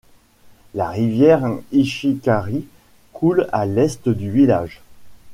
La rivière Ishikari coule à l'est du village.